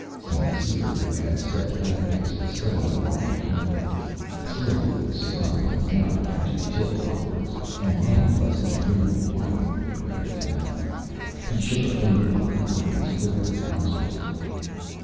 St. Cyr, who had stepped back a pace, was studying Martin carefully. Slowly the cigar in his mouth began to tilt upwards. An unpleasant grin widened the director's mouth. He shook a finger under Martin's quivering nostrils.